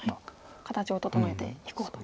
形を整えていこうと。